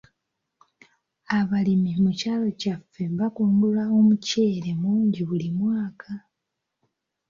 Abalimi mu kyalo kyaffe bakungula omuceere mungi buli mwaka.